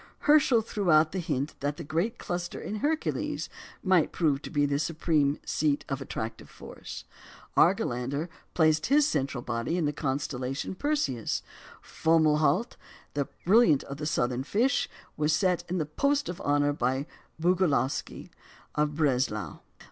Herschel threw out the hint that the great cluster in Hercules might prove to be the supreme seat of attractive force; Argelander placed his central body in the constellation Perseus; Fomalhaut, the brilliant of the Southern Fish, was set in the post of honour by Boguslawski of Breslau.